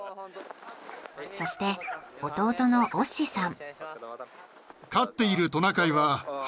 そして弟のオッシさん。